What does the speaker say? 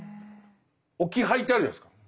置き配ってあるじゃないですか。